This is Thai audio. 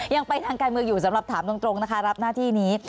ยังไปทางการเมืองอยู่สำหรับถามตรงนะคะรับหน้าที่นี้